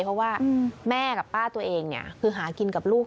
เพราะว่าแม่กับป้าตัวเองคือหากินกับลูก